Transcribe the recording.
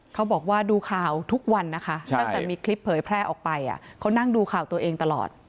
เขาบอกว่าดูข่าวทุกวันนะคะตั้งแต่มีคลิปเผยแพร่ออกไปเขานั่งดูข่าวตัวเองตลอด